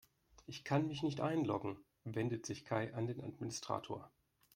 Ich kann mich nicht einloggen, wendet sich Kai an den Administrator.